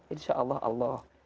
insya allah allah